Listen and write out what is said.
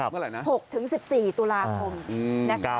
เมื่อไหร่นะ๖๑๔ตุลาคม